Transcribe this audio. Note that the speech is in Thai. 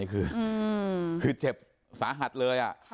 คือเจ็บสาหัสเลย